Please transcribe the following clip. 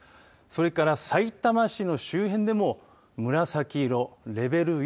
それから、さいたま市の周辺でも紫色、レベル４。